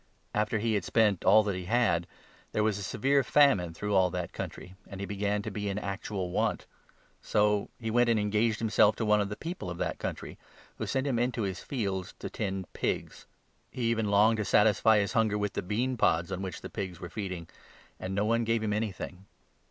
After he had spent all that he had, there was a severe famine 14 through all that country, and he began to be in actual want. So he went and engaged himself to one of the people of that 15 country, who sent him into his fields to tend pigs. He even 16 longed to satisfy his hunger with the bean pods on which the pigs were feeding ; and no one gave him anything.